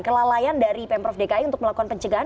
kelalaian dari pemprov dki untuk melakukan pencegahan